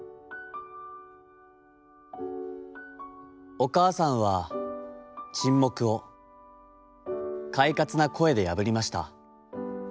「おかあさんは沈黙を、快活な声でやぶりました。